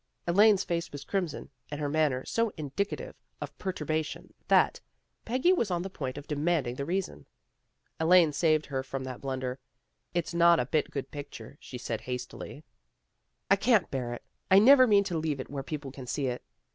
Elaine's face was crimson, and her manner so indicative of perturbation that Peggy was on the point of demanding the reason. Elaine saved her from that blunder. " It's not a bit good picture," she said hastily. " I 148 THE GIRLS OF FRIENDLY TERRACE can't bear it. I never mean to leave it where people can see it."